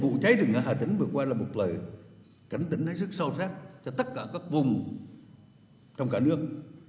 vụ cháy rừng ở hà tĩnh vừa qua là một lời cảnh tỉnh hết sức sâu sắc cho tất cả các vùng trong cả nước